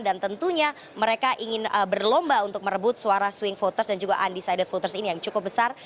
dan tentunya mereka ingin berlomba untuk merebut suara swing voters dan juga undecided voters ini yang cukup besar